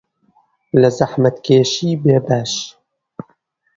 لە زەحمەتکێشی بێبەش